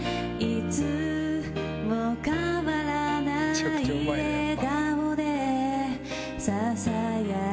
めちゃくちゃうまいねやっぱ。